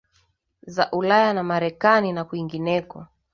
za ulaya na marekani na kwingineko